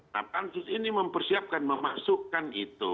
nah pansus ini mempersiapkan memasukkan itu